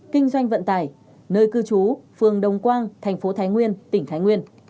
kinh doanh vận tải nơi cư trú phường đồng quang thành phố thái nguyên tỉnh thái nguyên